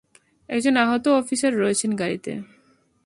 একজন আহত অফিসার রয়েছেন গাড়িতে।